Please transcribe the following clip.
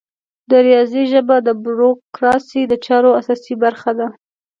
د ریاضي ژبه د بروکراسي د چارو اساسي برخه ده.